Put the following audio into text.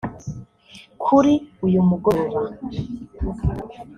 Kuri uyu mugoroba